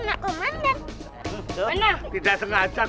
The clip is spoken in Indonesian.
kau kabur kemana jalan aja susah